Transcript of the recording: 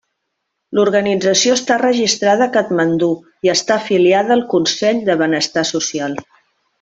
L'organització està registrada a Katmandú i està afiliada al consell de benestar social.